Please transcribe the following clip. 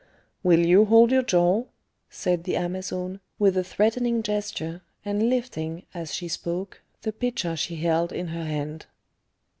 "Will you hold your jaw?" said the Amazon, with a threatening gesture, and lifting, as she spoke, the pitcher she held in her hand.